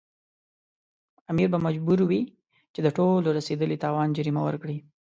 امیر به مجبور وي چې د ټولو رسېدلي تاوان جریمه ورکړي.